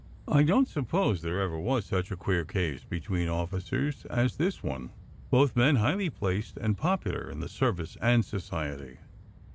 I don t suppose there ever was such a queer case between officers as this one; both men highly placed and popular in the service and society.